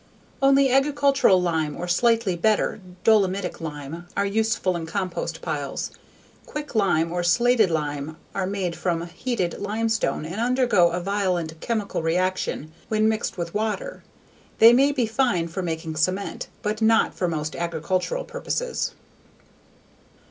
Only agricultural lime or slightly better, dolomitic lime, are useful in compost piles. Quicklime or slaked lime are made from heated limestone and undergo a violent chemical reaction when mixed with water. They may be fine for making cement, but not for most agricultural purposes.